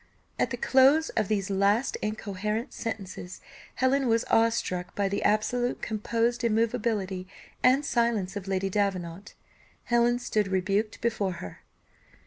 At the close of these last incoherent sentences, Helen was awe struck by the absolute composed immovability and silence of Lady Davenant. Helen stood rebuked before her.